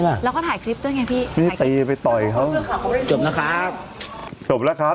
โห้ยสงสารอ่ะ